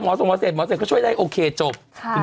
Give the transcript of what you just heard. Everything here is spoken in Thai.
หมอสงศตรีพรรดิก็ช่วยได้โอเคจบ